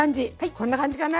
こんな感じかな。